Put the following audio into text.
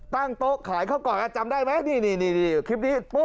ตั้งโต๊ะขายเขาก่อนจำได้ไหมนี่คลิปนี้ปุ๊บ